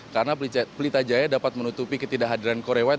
karena prita jaya dapat menutupi ketidakhadiran korea white